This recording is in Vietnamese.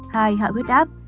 hai hạ huyết áp